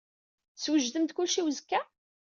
Teswejdem-d kullec i uzekka?